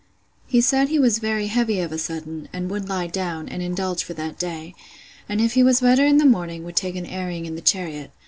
He said he was very heavy of a sudden, and would lie down, and indulge for that day; and if he was better in the morning, would take an airing in the chariot.